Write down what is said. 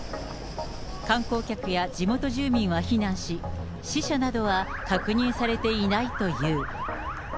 観光客や地元住民は避難し、死者などは確認されていないという。